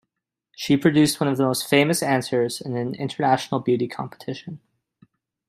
She produced one of the most famous answers in an international beauty competition.